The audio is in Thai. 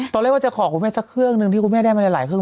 ตอนแรกว่าจะขอคุณแม่สักเครื่องหนึ่งที่คุณแม่ได้มาหลายเครื่อง